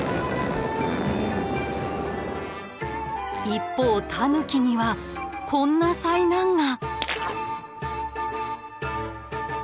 一方タヌキにはこんな災難が。